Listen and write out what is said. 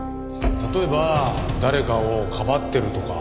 例えば誰かをかばってるとか。